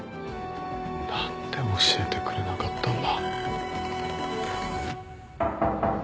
何で教えてくれなかったんだ。